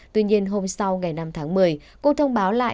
tuy nhiên hôm sau ngày năm tháng một mươi cô thông báo lại